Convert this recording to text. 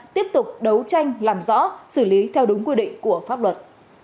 tiếp tục đấu tranh làm rõ xử lý theo đúng quy định của pháp luật